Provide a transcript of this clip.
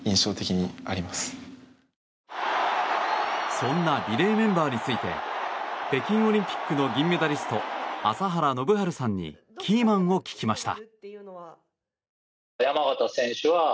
そんなリレーメンバーについて北京オリンピックの銀メダリスト朝原宣治さんにキーマンを聞きました。